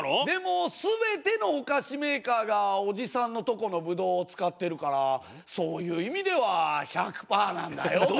でも全てのお菓子メーカーがおじさんのとこのぶどうを使ってるからそういう意味では１００パーなんだよ。